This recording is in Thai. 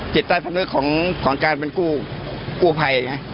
จิตใต้ภาพนึกของการเป็นกู้ไพ